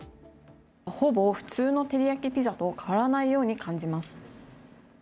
ほぼ普通のテリヤキピザと変わらないように感じます。